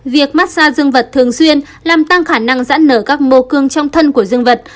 việc mát xa dương vật thường xuyên làm tăng khả năng dãn nở các mô cương trong thân của dương vật